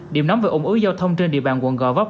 điểm nắm về ủng ưu giao thông trên địa bàn quận gò vóc